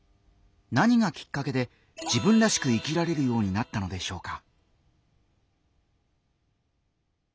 何がきっかけで自分らしく生きられるようになったのでしょうか。